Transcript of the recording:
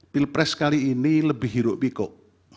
pilpres kali ini lebih hiruk pikuk